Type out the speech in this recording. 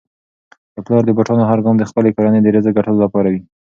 د پلار د بوټانو هر ګام د خپلې کورنی د رزق ګټلو لپاره وي.